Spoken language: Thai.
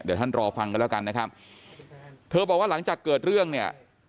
เดี๋ยวท่านรอฟังกันแล้วกันนะครับเธอบอกว่าหลังจากเกิดเรื่องเนี่ย